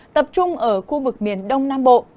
tập trung ở khu vực miền đông nam bộ